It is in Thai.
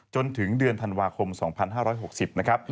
จนถึงเดือนธันวาคม๒๕๖๐นะครับ